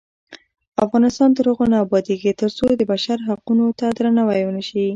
افغانستان تر هغو نه ابادیږي، ترڅو د بشر حقونو ته درناوی ونشي.